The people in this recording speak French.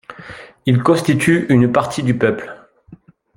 Ils constituent une partie du peuple.